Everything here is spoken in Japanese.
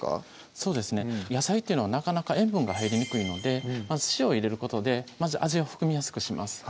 そうですね野菜っていうのはなかなか塩分が入りにくいのでまず塩を入れることでまず味を含みやすくします